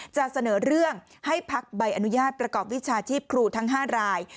จะเสนอเรื่องให้พักใบอนุญาตประกอบวิชาชีพครูทั้ง๕ราย